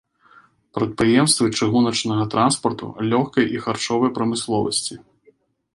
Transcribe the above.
Прадпрыемствы чыгуначнага транспарту, лёгкай і харчовай прамысловасці.